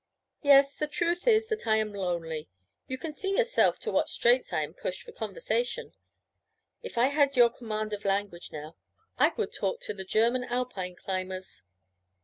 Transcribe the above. Yes, the truth is that I am lonely. You can see yourself to what straits I am pushed for conversation. If I had your command of language, now, I would talk to the German Alpine climbers.'